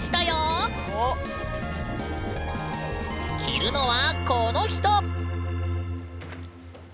着るのはこの人！